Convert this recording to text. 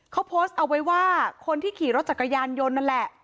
เขาโพสต์เอาไว้ว่าคนที่ขี่รถจักรยานยนต์นั่นแหละ